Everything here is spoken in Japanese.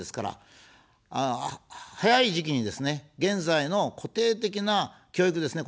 早い時期にですね、現在の固定的な教育ですね。